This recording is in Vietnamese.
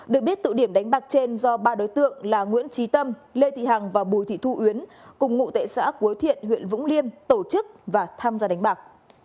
được biết tụ điểm đánh bạc trên do ba đối tượng là nguyễn trí tâm lê thị hằng và bùi thị thu yến cùng ngụ tệ xã cuối thiện huyện vũng liêm tổ chức và tham gia đánh bạc